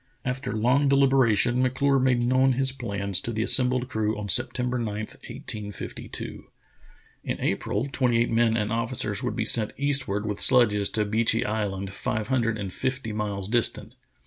After long deliberation M'Clure made known his plans to the assembled crew on September 9, 1852. In April twenty eight men and officers would be sent east ward with sledges to Beechey Island, five hundred and fifty miles distant.